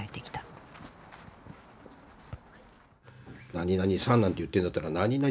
「何々さん」なんて言ってんだったら何々